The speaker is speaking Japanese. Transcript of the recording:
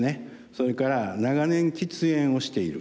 それから長年喫煙をしている。